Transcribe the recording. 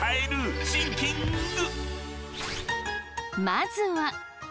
まずは。